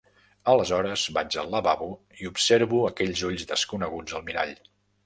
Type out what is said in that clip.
Aleshores vaig al lavabo i observo aquells ulls desconeguts al mirall.